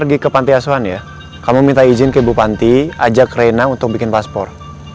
ibu panti aswan ya kamu minta izin ke ibu panti ajak rena untuk bikin paspor